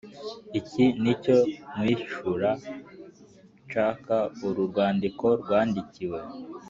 iki nicyo nkwishura. (ck)uru rwandiko rwandikiwe.